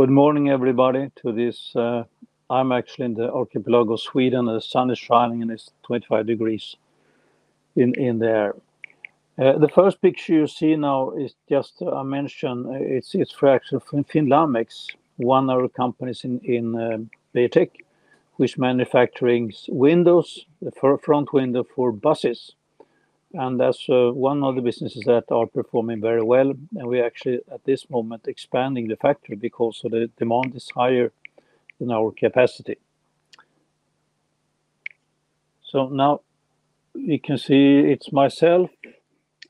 Good morning, everybody. I'm actually in the archipelago of Sweden. The sun is shining and it's 25 degrees in there. The first picture you see now is just a mention. It's Finn Lamex, one of the companies in Beijer Tech, which manufactures windows, the front window for buses. That's one of the businesses that are performing very well. We're actually, at this moment, expanding the factory because the demand is higher than our capacity. Now you can see it's myself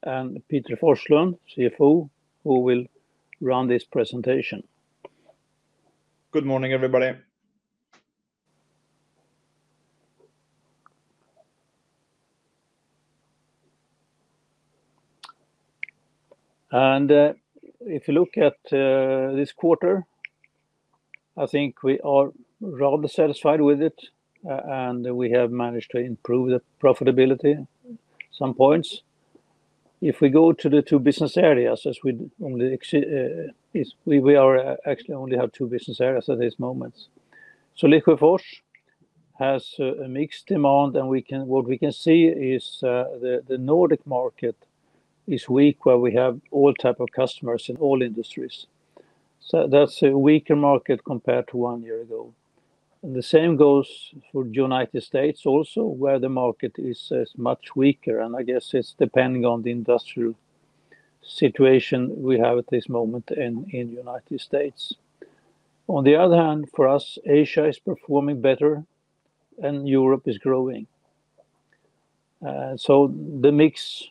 and Peter Forslund, CFO, who will run this presentation. Good morning, everybody. If you look at this quarter, I think we are rather satisfied with it. We have managed to improve the profitability at some points. If we go to the two business areas, we actually only have two business areas at this moment. Lesjöfors has a mixed demand. What we can see is the Nordic market is weak, where we have all types of customers in all industries. That is a weaker market compared to one year ago. The same goes for the United States also, where the market is much weaker. I guess it's depending on the industrial situation we have at this moment in the United States. On the other hand, for us, Asia is performing better and Europe is growing. The mix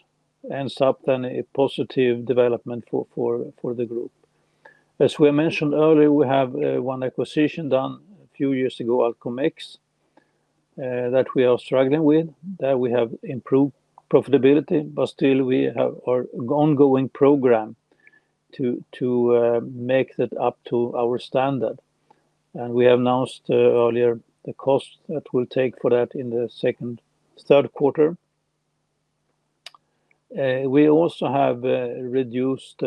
ends up in a positive development for the group. As we mentioned earlier, we have one acquisition done a few years ago, Alcomex, that we are struggling with. We have improved profitability, but still we have an ongoing program to make that up to our standard. We have announced earlier the cost that we'll take for that in the second and third quarter. We also have reduced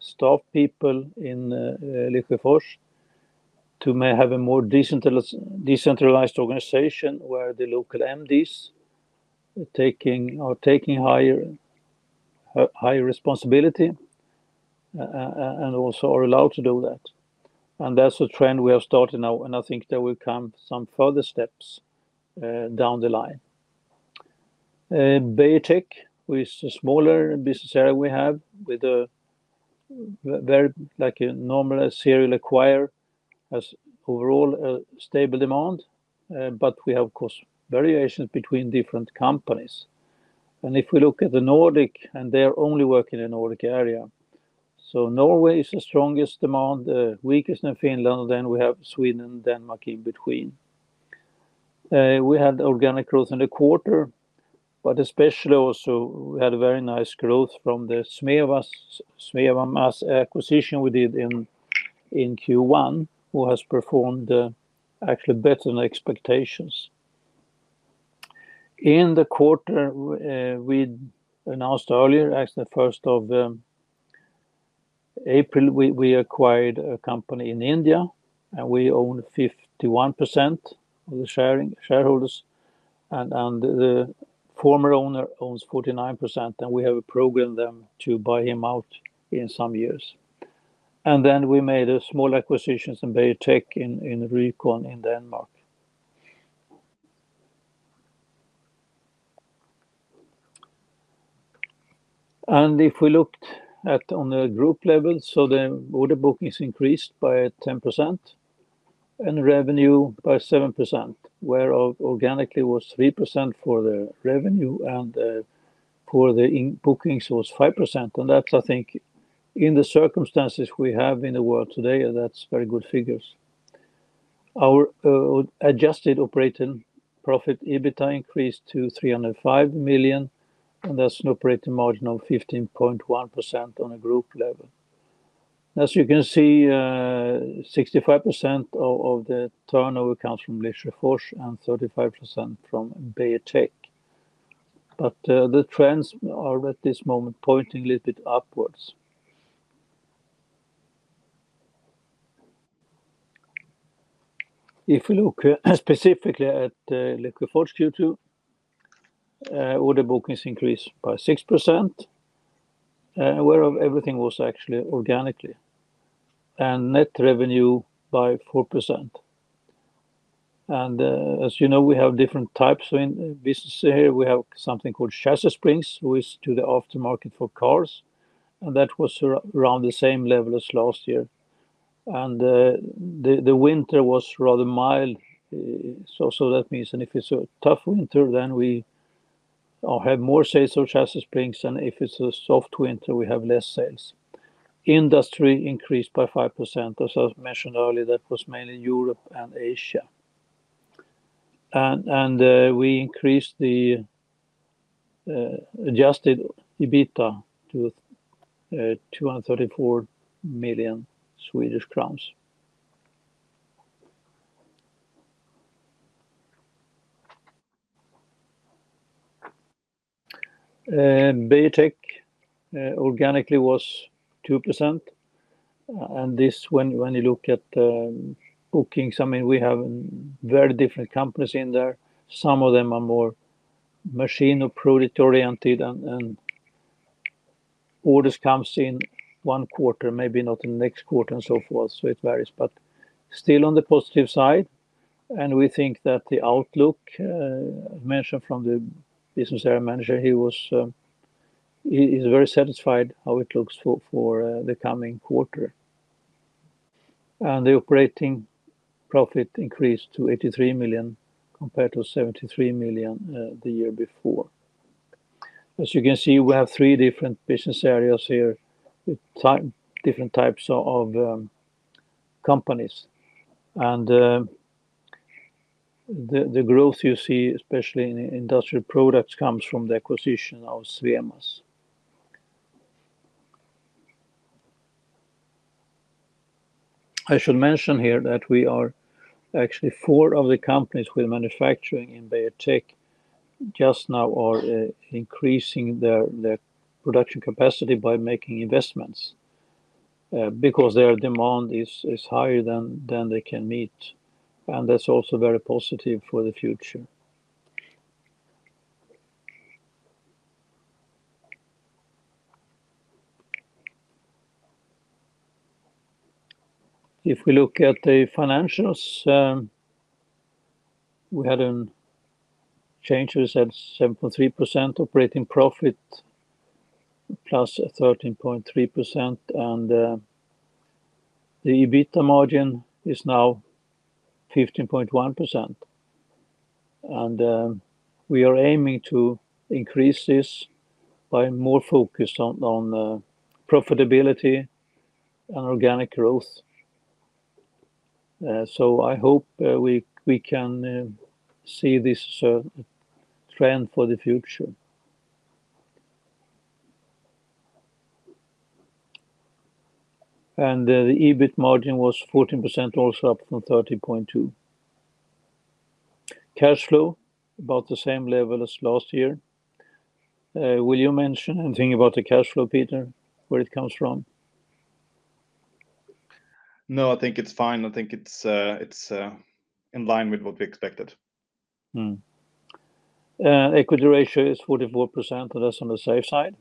staff people in Lesjöfors to have a more decentralized organization, where the local entities are taking higher responsibility and also are allowed to do that. That is a trend we have started now. I think there will come some further steps down the line. Beijer Tech, which is a smaller business area we have, with a very normal serial acquirer, has overall a stable demand. We have, of course, variations between different companies. If we look at the Nordic, and they're only working in the Nordic area. Norway is the strongest demand, weakest in Finland. We have Sweden and Denmark in between. We had organic growth in the quarter. Especially also, we had a very nice growth from the Swemas acquisition we did in Q1, which has performed actually better than expectations. In the quarter we announced earlier, actually the first of April, we acquired a company in India. We own 51% of the shareholders. The former owner owns 49%. We have a program with them to buy him out in some years. We made small acquisitions in Beijer Tech in Roykon in Denmark. If we looked at on the group level, the order bookings increased by 10% and revenue by 7%, where organically it was 3% for the revenue. For the bookings, it was 5%. In the circumstances we have in the world today, that's very good figures. Our adjusted operating profit EBITDA increased to 305 million. That's an operating margin of 15.1% on a group level. As you can see, 65% of the turnover comes from Lesjöfors and 35% from Beijer Tech. The trends are at this moment pointing a little bit upwards. If we look specifically at Lesjöfors Q2, order bookings increased by 6%, where everything was actually organic. Net revenue increased by 4%. As you know, we have different types of businesses here. We have something called Chassis springs, which is to the aftermarket for cars. That was around the same level as last year. The winter was rather mild, which means that if it's a tough winter, then we have more sales of Chassis springs, and if it's a soft winter, we have less sales. Industry increased by 5%. As I mentioned earlier, that was mainly Europe and Asia. We increased the adjusted EBITDA to SEK 234 million. Beijer Tech organically was 2%. When you look at bookings, we have very different companies in there. Some of them are more machine or product oriented, and orders come in one quarter, maybe not in the next quarter, and so forth. It varies, but still on the positive side. We think that the outlook mentioned from the Business Area Manager, he was very satisfied how it looks for the coming quarter. The operating profit increased to 83 million compared to 73 million the year before. As you can see, we have three different business areas here with different types of companies. The growth you see, especially in industrial products, comes from the acquisition of Swemas. I should mention here that actually four of the companies with manufacturing in Beijer Tech just now are increasing their production capacity by making investments because their demand is higher than they can meet. That's also very positive for the future. If we look at the financials, we had a change that is at 7.3% operating profit +13.3%. The EBITDA margin is now 15.1%, and we are aiming to increase this by more focus on profitability and organic growth. I hope we can see this as a trend for the future. The EBITDA margin was 14%, also up from 13.2%. Cash flow about the same level as last year. Will you mention anything about the cash flow, Peter, where it comes from? No, I think it's fine. I think it's in line with what we expected. Equity ratio is 44%. That's on the safe side.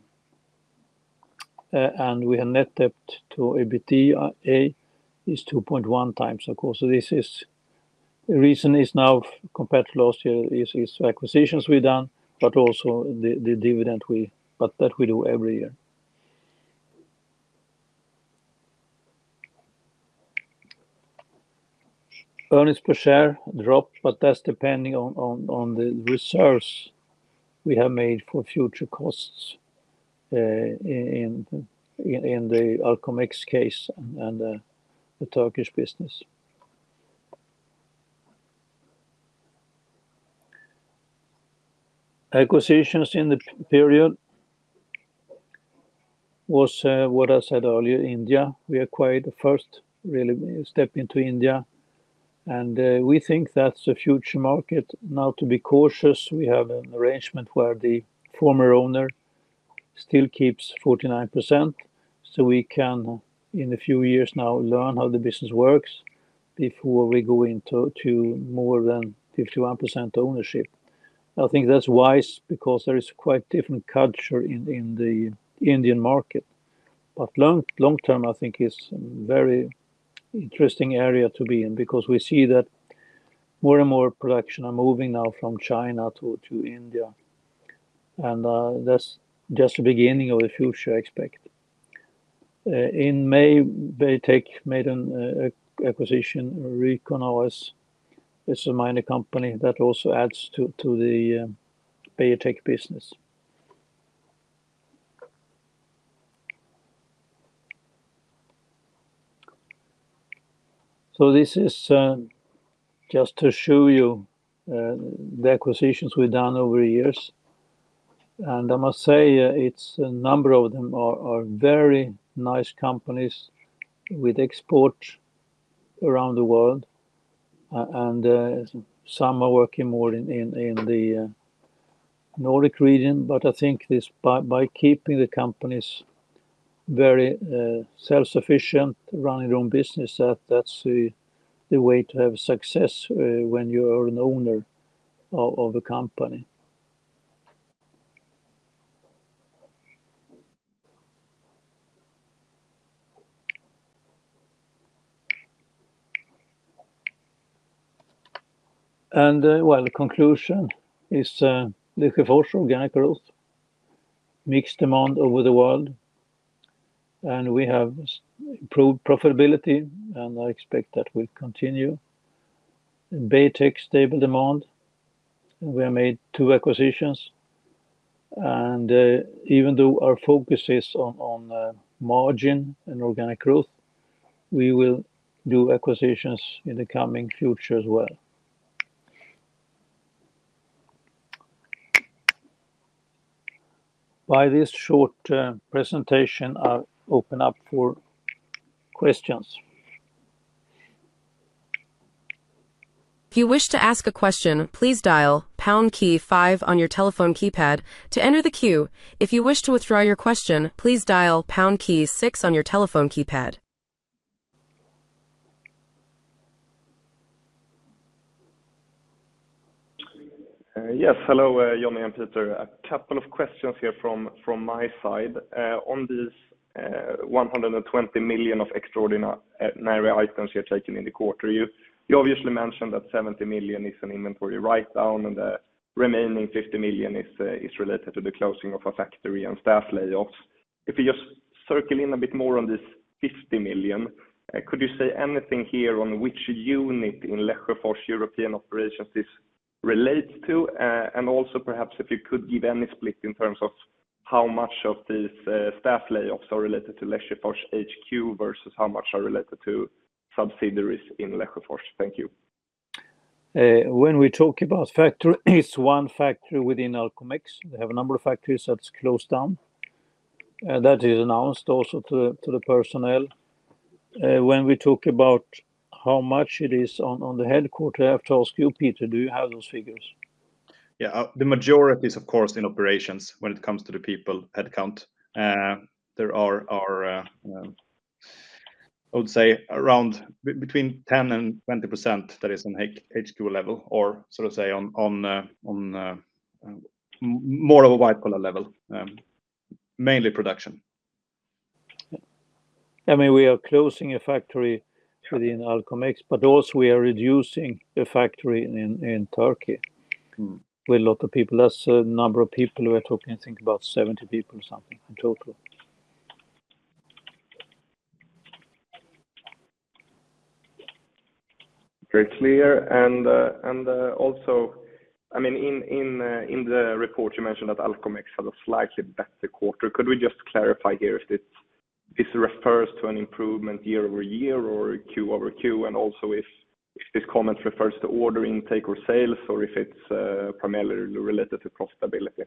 We have net debt to EBITDA is 2.1x of course. The reason is now compared to last year, is the acquisitions we've done, but also the dividend that we do every year. Earnings per share drop, but that's depending on the reserves we have made for future costs in the Alcomex case and the Turkish business. Acquisitions in the period was what I said earlier, India. We acquired the first really step into India. We think that's a future market. To be cautious, we have an arrangement where the former owner still keeps 49%. We can, in a few years now, learn how the business works before we go into more than 51% ownership. I think that's wise because there is quite a different culture in the Indian market. Long term, I think it's a very interesting area to be in because we see that more and more production are moving now from China to India. That's just the beginning of the future, I expect. In May, Beijer Tech made an acquisition, Roykon A/S, as a minor company that also adds to the Beijer Tech business. This is just to show you the acquisitions we've done over the years. I must say, a number of them are very nice companies with exports around the world. Some are working more in the Nordic region. I think this by keeping the companies very self-sufficient, running their own business, that's the way to have success when you are an owner of a company. The conclusion is Lesjöfors organic growth, mixed demand over the world. We have improved profitability. I expect that we continue. Beijer Tech, stable demand. We have made two acquisitions. Even though our focus is on margin and organic growth, we will do acquisitions in the coming future as well. By this short presentation, I'll open up for questions. If you wish to ask a question, please dial Pound key, five on your telephone keypad to enter the queue. If you wish to withdraw your question, please dial pound key six on your telephone keypad. Yes. Hello, Johnny and Peter. A couple of questions here from my side. On these 120 million of extraordinary items you're taking in the quarter, you obviously mentioned that 70 million is an inventory write-down and the remaining 50 million is related to the closing of a factory and staff layoffs. If you just circle in a bit more on this 50 million, could you say anything here on which unit in Lesjöfors European operations this relates to? Also, perhaps if you could give any split in terms of how much of these staff layoffs are related to Lesjöfors HQ versus how much are related to subsidiaries in Lesjöfors. Thank you. When we talk about factory, it's one factory within Alcomex. We have a number of factories that are closed down. That is announced also to the personnel. When we talk about how much it is on the headquarter, I have to ask you, Peter, do you have those figures? Yeah. The majority is, of course, in operations when it comes to the people headcount. There are, I would say, around between 10% and 20% that is in HQ level or, so to say, on more of a white-collar level, mainly production. We are closing a factory within Alcomex, but also we are reducing the factory in Turkey with a lot of people. That's the number of people we're talking, I think, about 70 people or something in total. Very clear. In the report, you mentioned that Alcomex had a slightly better quarter. Could we just clarify here if this refers to an improvement year over year or Q over Q? Also, if this comment refers to order intake or sales or if it's primarily related to profitability?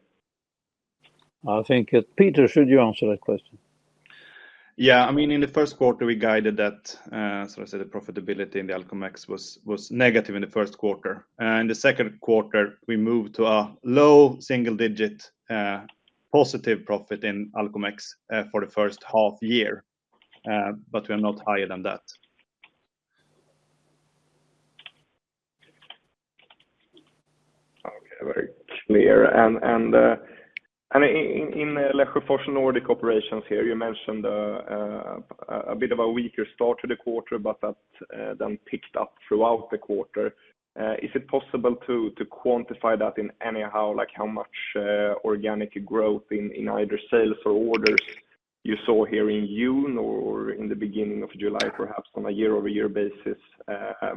I think, Peter, should you answer that question? In the first quarter, we guided that, so to say, the profitability in Alcomex was negative in the first quarter. In the second quarter, we moved to a low single-digit positive profit in Alcomex for the first half year. We are not higher than that. Okay. Very clear. In Lesjöfors Nordic operations here, you mentioned a bit of a weaker start to the quarter, but that then picked up throughout the quarter. Is it possible to quantify that in any way, like how much organic growth in either sales or orders you saw here in June or in the beginning of July, perhaps on a year-over-year basis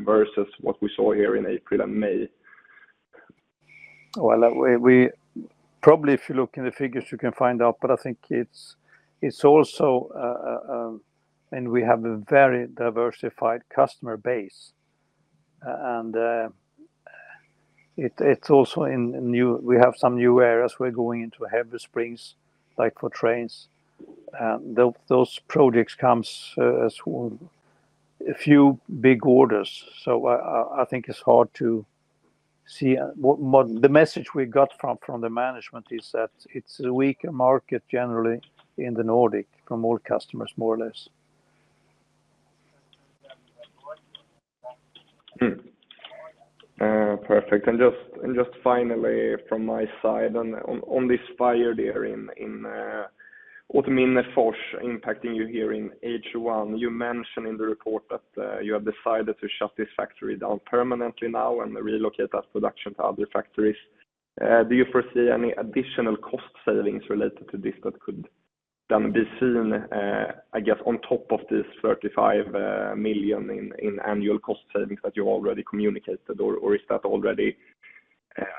versus what we saw here in April and May? If you look in the figures, you can find out. I think it's also, we have a very diversified customer base. It's also in new, we have some new areas we're going into Heavy Springs, like for trains. Those projects come as a few big orders. I think it's hard to see what the message we got from the management is that it's a weaker market generally in the Nordic from all customers, more or less. Perfect. Just finally, from my side, on this fire there in autumn in the force impacting you here in H1, you mentioned in the report that you have decided to shut this factory down permanently now and relocate that production to other factories. Do you foresee any additional cost savings related to this that could then be seen, I guess, on top of these $35 million in annual cost savings that you already communicated? Or is that already,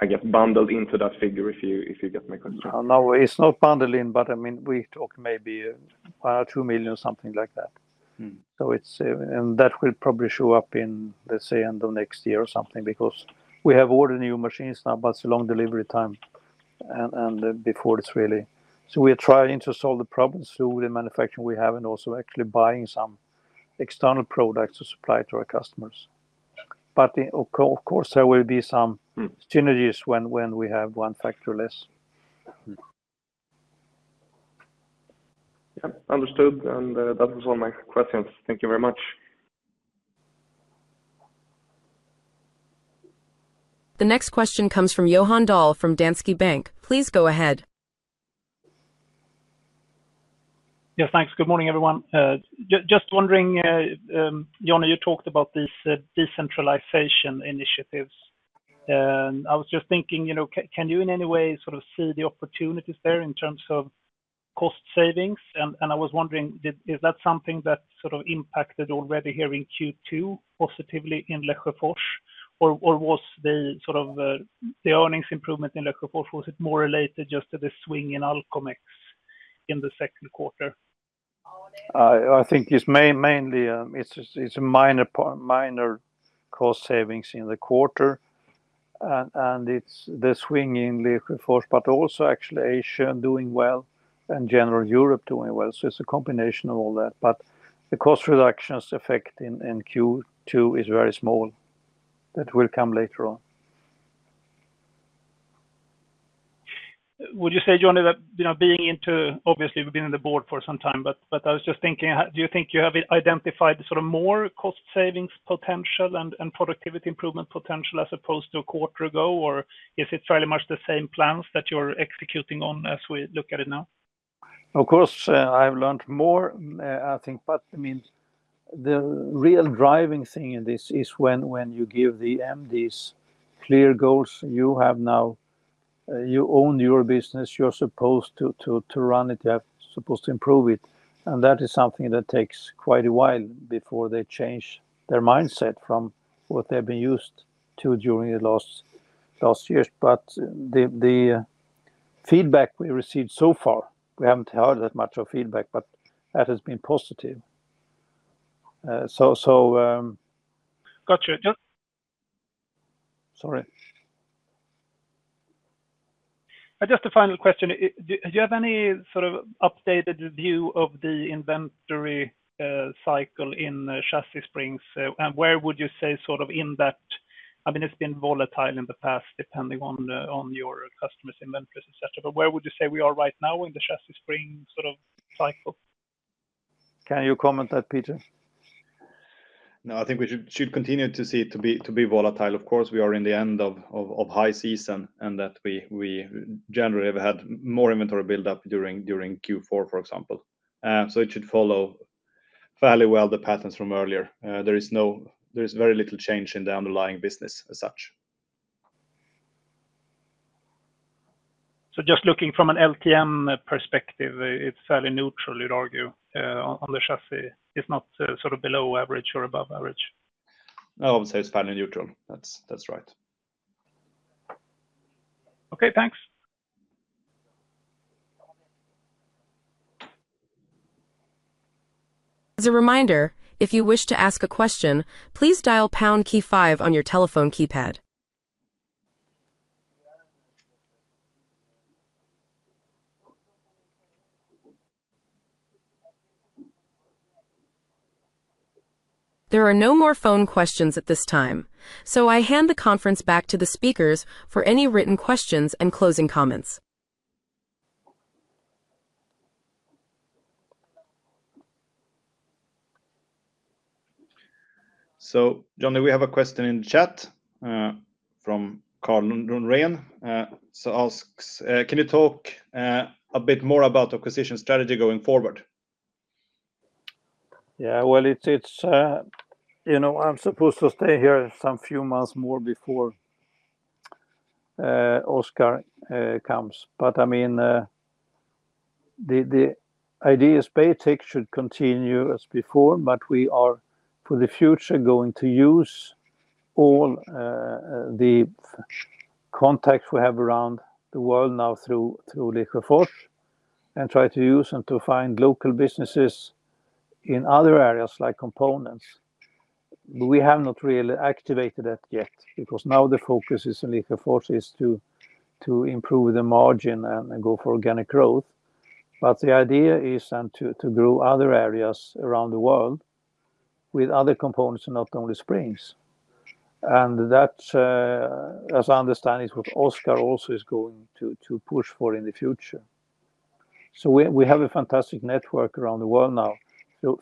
I guess, bundled into that figure if you get me? No, it's not bundled in, but I mean, we talk maybe $1 million or $2 million, something like that. It will probably show up in, let's say, end of next year or something because we have ordered new machines now, but it's a long delivery time. Before it's really, we are trying to solve the problems through the manufacturing we have and also actually buying some external products to supply to our customers. Of course, there will be some synergies when we have one factory less. Understood. That was all my questions. Thank you very much. The next question comes from Johan Dahl from Danske Bank. Please go ahead. Yeah, thanks. Good morning, everyone. Just wondering, Johnny, you talked about these decentralization initiatives. I was just thinking, you know, can you in any way sort of see the opportunities there in terms of cost savings? I was wondering, is that something that sort of impacted already here in Q2 positively in Lesjöfors? Or was the sort of the earnings improvement in Lesjöfors, was it more related just to the swing in Alcomex in the second quarter? I think it's mainly, it's a minor cost savings in the quarter. It's the swing in Lesjöfors, but also actually Asia doing well and general Europe doing well. It's a combination of all that. The cost reductions effect in Q2 is very small. That will come later on. Would you say, Johnny, that being into, obviously, we've been in the board for some time, but I was just thinking, do you think you have identified sort of more cost savings potential and productivity improvement potential as opposed to a quarter ago? Or is it fairly much the same plans that you're executing on as we look at it now? Of course, I've learned more, I think. The real driving thing in this is when you give the MDs clear goals. You have now, you own your business. You're supposed to run it. You're supposed to improve it. That is something that takes quite a while before they change their mindset from what they've been used to during the last years. The feedback we received so far, we haven't heard that much of feedback, but that has been positive. Got you. Sorry. Just a final question. Do you have any sort of updated view of the inventory cycle in Chassis springs? Where would you say sort of in that, I mean, it's been volatile in the past depending on your customers' inventories, etc. Where would you say we are right now in the Chassis spring sort of cycle? Can you comment on that, Peter? No, I think we should continue to see it to be volatile. Of course, we are in the end of high season, and that we generally have had more inventory buildup during Q4, for example. It should follow fairly well the patterns from earlier. There is very little change in the underlying business as such. Looking from an LTM perspective, it's fairly neutral, you'd argue, on the Chassis. It's not sort of below average or above average. No, I would say it's fairly neutral. That's right. Okay, thanks. As a reminder, if you wish to ask a question, please dial the Pound key, five on your telephone keypad. There are no more phone questions at this time. I hand the conference back to the speakers for any written questions and closing comments. Johnny, we have a question in the chat from Karl Lunden Rehn. Karl asks, can you talk a bit more about the acquisition strategy going forward? Yeah, it's, you know, I'm supposed to stay here some few months more before Oscar comes. The idea is Beijer Tech should continue as before, but we are, for the future, going to use all the contacts we have around the world now through Lesjöfors and try to use them to find local businesses in other areas like components. We have not really activated that yet because now the focus in Lesjöfors is to improve the margin and go for organic growth. The idea is to grow other areas around the world with other components and not only springs. That, as I understand, is what Oscar also is going to push for in the future. We have a fantastic network around the world now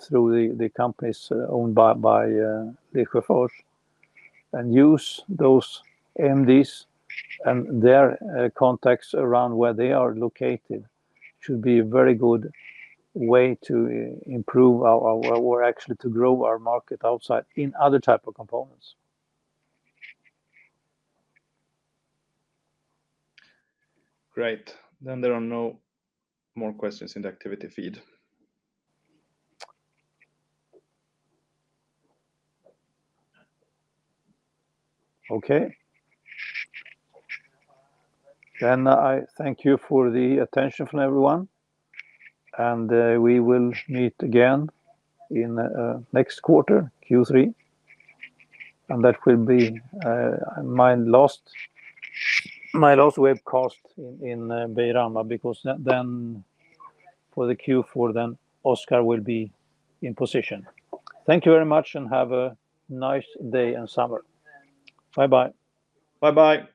through the companies owned by Lesjöfors. Using those MDs and their contacts around where they are located should be a very good way to improve or actually to grow our market outside in other types of components. Great. There are no more questions in the activity feed. Okay. I thank you for the attention from everyone. We will meet again in the next quarter, Q3. That will be my last webcast in Beijer Alma because for the Q4, Oscar will be in position. Thank you very much and have a nice day and summer. Bye-bye. Bye-bye.